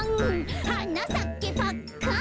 「はなさけパッカン」